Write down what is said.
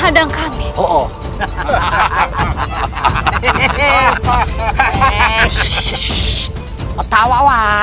tidak bisa berbicara